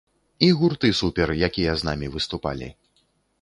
І гурты супер, якія з намі выступалі.